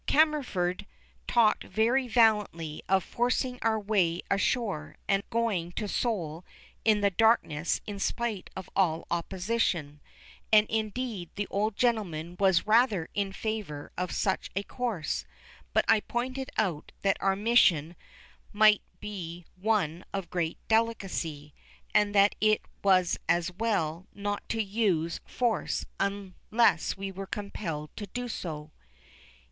Cammerford talked very valiantly of forcing our way ashore and going to Seoul in the darkness in spite of all opposition, and indeed the old gentleman was rather in favour of such a course; but I pointed out that our mission might be one of great delicacy, and that it was as well not to use force unless we were compelled to do so.